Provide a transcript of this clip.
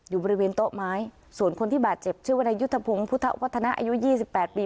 อยู่บริเวณโต๊ะไม้ส่วนคนที่บาดเจ็บชื่อวนายุทธพงศ์พุทธวัฒนะอายุ๒๘ปี